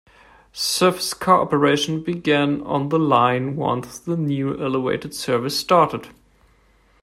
Surface car operation began on the line once the new elevated service started.